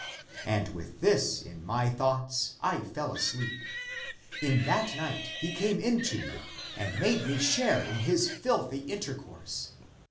And with this in my thoughts, I fell asleep. In that night he came in to me and made me share in his filthy intercourse.